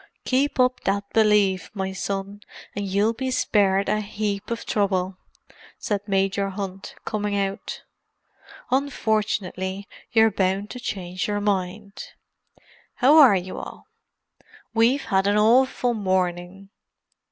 "Keep up that belief, my son, and you'll be spared a heap of trouble," said Major Hunt, coming out. "Unfortunately, you're bound to change your mind. How are you all? We've had an awful morning!"